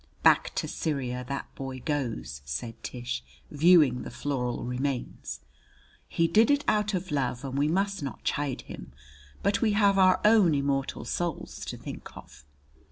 "Back to Syria that boy goes!" said Tish, viewing the floral remains. "He did it out of love and we must not chide him. But we have our own immortal souls to think of."